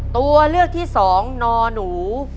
ตัวเลือกที่๒นหนู